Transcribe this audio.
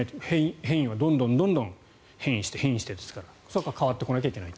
変異はどんどん変異して変異してですからそこは変わってこないといけないと。